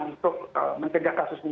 untuk mencegah kasus ini